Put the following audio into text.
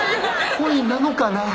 恋なのかなぁ